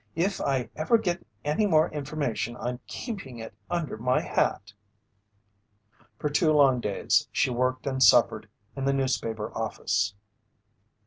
If ever I get any more information, I'm keeping it under my hat!" For two long days she worked and suffered in the newspaper office.